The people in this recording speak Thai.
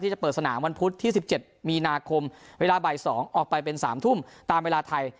จะเปิดสนามวันพุธที่๑๗มีนาคมเวลาบ่าย๒ออกไปเป็น๓ทุ่มตามเวลาไทย